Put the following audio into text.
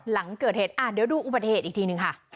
หลังเกิดเหตุเดี๋ยวดูอุบัติเหตุอีกทีหนึ่งค่ะ